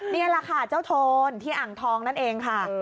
นี่แหละค่ะเจ้าโทนที่อ่างทองนั่นเองค่ะ